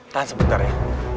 tahan sebentar ya